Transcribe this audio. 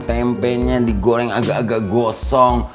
tempenya digoreng agak agak gosong